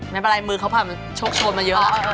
ไม่เป็นไรมือเขาผ่านโชคโชนมาเยอะ